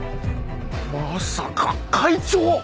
まさか会長！